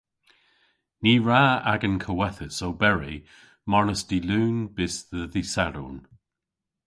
Ny wra agan kowethas oberi marnas dy' Lun bys dhe dh'y Sadorn.